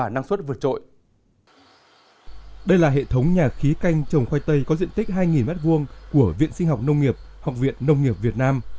đây là hệ thống nhà khí canh trồng khoai tây có diện tích hai m hai của viện sinh học nông nghiệp học viện nông nghiệp việt nam